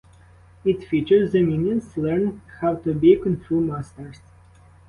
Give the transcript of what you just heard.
It features the Minions learn how to be Kung Fu masters.